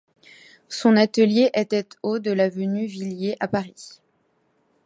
Son atelier était au de l'avenue de Villiers à Paris.